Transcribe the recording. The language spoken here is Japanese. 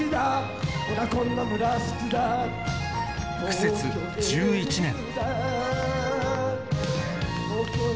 苦節１１年